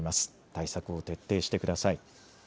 対策を徹底してください。